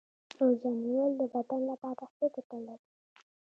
روژه نیول د بدن لپاره څه ګټه لري